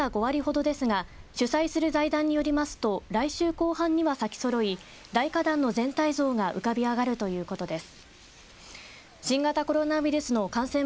現在、開花はまだ５割ほどですが主催する財団によりますと来週後半には咲きそろい大花壇の全体像が浮かび上がるということです。